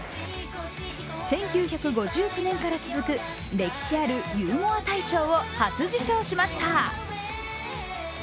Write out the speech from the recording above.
１９５９年から続く歴史あるゆうもあ大賞を初受賞しました。